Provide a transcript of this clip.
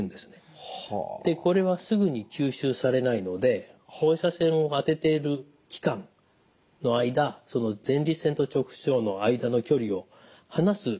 これはすぐに吸収されないので放射線を当てている期間の間前立腺と直腸の間の距離を離す役割があります。